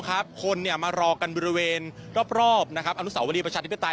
ทุกคนมารอกันบริเวณรอบอนุสาวดีประชาตินิพยาตราย